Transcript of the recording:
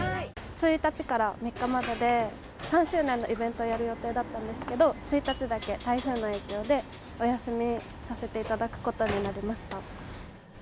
１日から３日までで、３周年のイベントやる予定だったんですが、１日だけ台風の影響で、お休みさせていただくことになりました。